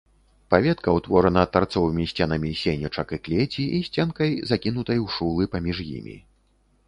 Паветка ўтворана тарцовымі сценамі сенечак і клеці і сценкай, закінутай у шулы паміж імі.